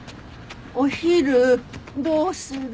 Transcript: お昼どうする？